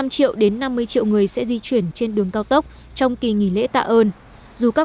năm triệu đến năm mươi triệu người sẽ di chuyển trên đường cao tốc trong kỳ nghỉ lễ tạ ơn dù các